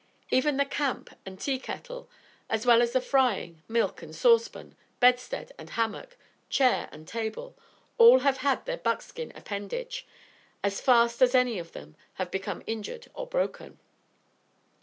Even the camp and tea kettle, as well as the frying, milk and saucepan, bedstead and hammock, chair and table, all have had their buckskin appendage, as fast as any of them have become injured or broken.